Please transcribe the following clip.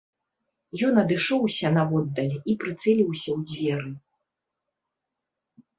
Ён адышоўся наводдаль і прыцэліўся ў дзверы.